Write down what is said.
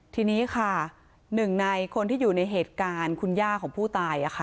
ทีนี้ค่ะหนึ่งในคนที่อยู่ในเหตุการณ์คุณย่าของผู้ตาย